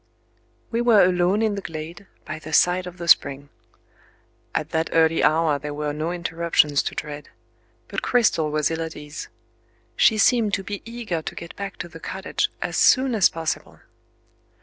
We were alone in the glade, by the side of the spring. At that early hour there were no interruptions to dread; but Cristel was ill at ease. She seemed to be eager to get back to the cottage as soon as possible.